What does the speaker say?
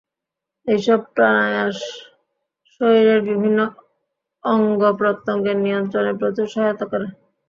এইসব প্রাণায়াম শরীরের বিভিন্ন অঙ্গ-প্রত্যঙ্গের নিয়ন্ত্রণে প্রচুর সহায়তা করে।